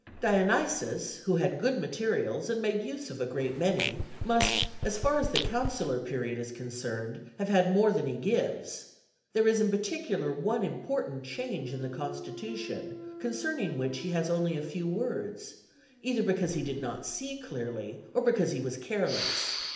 Dionysius, who had good materials and made use of a great many, must, as far as the consular period is concerned, have had more than he gives; there is in particular one important change in the constitution, concerning which he has only a few words, either because he did not see clearly or because he was careless.